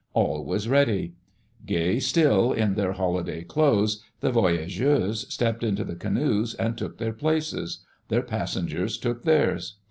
All was ready. Gay still, in their holiday clothes, the voyageurs stepped into the canoes and took their places; their pas sengers took theirs.